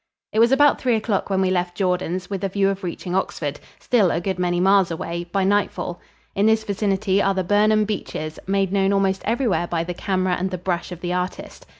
It was about three o'clock when we left Jordans with a view of reaching Oxford, still a good many miles away, by nightfall. In this vicinity are the Burnham beeches, made known almost everywhere by the camera and the brush of the artist.